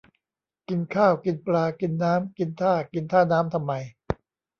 กินข้าว กินปลา กินน้ำ กินท่า กินท่าน้ำทำไม